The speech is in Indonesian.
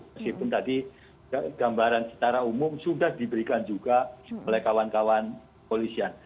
meskipun tadi gambaran secara umum sudah diberikan juga oleh kawan kawan polisian